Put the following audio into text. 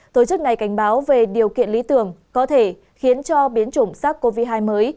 tổ chức này cảnh báo về điều kiện lý tưởng có thể khiến cho biến chủng sars cov hai mới